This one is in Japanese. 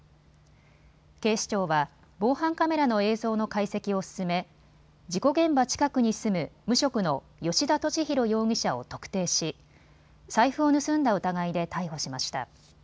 警視庁は防犯カメラの映像の解析を進め事故現場近くに住む無職の吉田俊博容疑者を特定し財布を盗んだ疑いで逮捕しました。